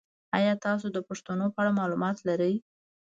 ایا تاسو د پښتنو په اړه معلومات لرئ؟